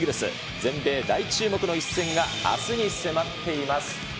全米大注目の一戦があすに迫っています。